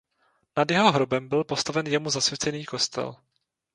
Nad jeho hrobem byl postaven jemu zasvěcený kostel.